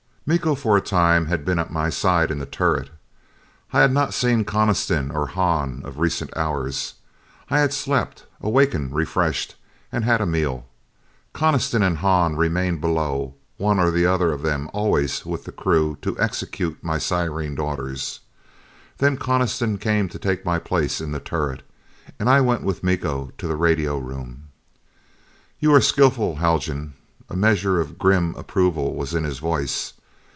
Miko for a time had been at my side in the turret. I had not seen Coniston or Hahn of recent hours. I had slept, awakened refreshed, and had a meal. Coniston and Hahn remained below, one or other of them always with the crew to execute my sirened orders. Then Coniston came to take my place in the turret, and I went with Miko to the radio room. "You are skillful, Haljan." A measure of grim approval was in his voice.